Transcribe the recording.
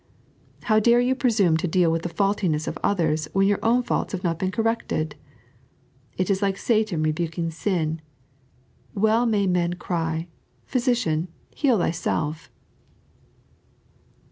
How dare you presume to deal with the faultiness of others, when your own faults have not been Corrected ! It is like Satan re buking sin. Well may men cry, " Physician, heal thyself."